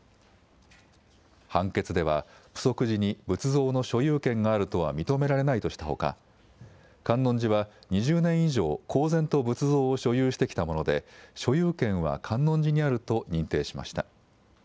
判決ではプソク寺に仏像の所有権があるとは認められないとしたほか観音寺は２０年以上、公然と仏像を所有してきたもので所有権は観音寺にあると認定しました。